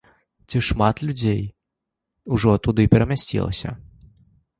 Ці шмат людзей ужо туды перамясцілася?